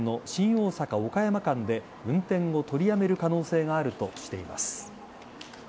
大阪岡山間で運転を取りやめる可能性があるとしています。